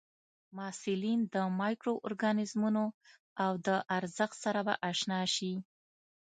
محصلین د مایکرو ارګانیزمونو او د ارزښت سره به اشنا شي.